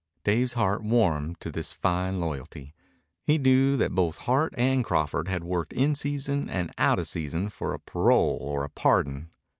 Dave's heart warmed to this fine loyalty. He knew that both Hart and Crawford had worked in season and out of season for a parole or a pardon.